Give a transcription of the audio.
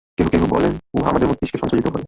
কেহ কেহ বলেন, উহা আমাদের মস্তিষ্ককে সঞ্চালিত করে।